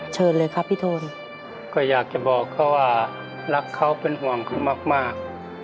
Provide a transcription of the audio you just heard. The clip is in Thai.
เชิญเลยครับพี่โทนก็อยากจะบอกเขาว่ารักเขาเป็นห่วงเขามาก